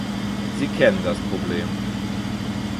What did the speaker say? Sie kennen das Problem.